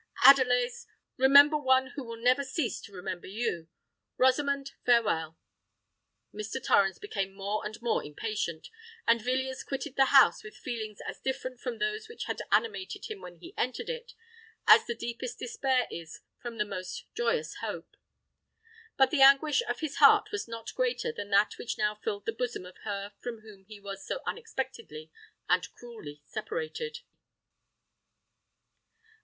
"Adelais—remember one who will never cease to remember you! Rosamond, farewell!" Mr. Torrens became more and more impatient; and Villiers quitted the house with feelings as different from those which had animated him when he entered it, as the deepest despair is different from the most joyous hope. But the anguish of his heart was not greater than that which now filled the bosom of her from whom he was so unexpectedly and cruelly separated.